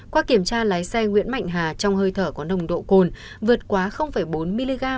qua kiểm tra lái xe nguyễn mạnh hà trong hơi thở có nồng độ cồn vượt quá bốn mg